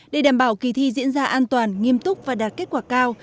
để đảm bảo kỳ thi diễn ra an toàn nghiêm túc và đạt kết quả cao